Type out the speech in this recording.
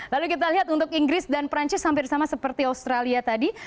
lalu kita lihat untuk inggris dan perancis hampir sama seperti australia tadi